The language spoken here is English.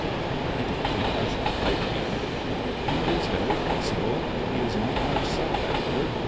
*''' I don't think I should like him." "It is very possible He is not much sought after.